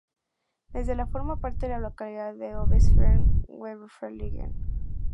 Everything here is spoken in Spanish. Desde el forma parte de la localidad de Oebisfelde-Weferlingen.